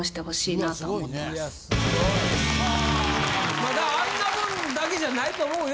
・まだあんなもんだけじゃないと思うよ。